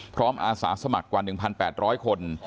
พร้อมอาศาสมัครกว่า๑๘๐๐คน